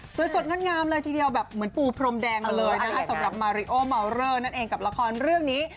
สวยสดงามเลยทีเดียวแบบเหมือนปูพรมแดงมาเลยนะคะสำหรับนั่นเองกับละครเรื่องนี้